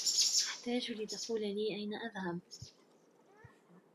أحتاج لتقول لي أين أذهب.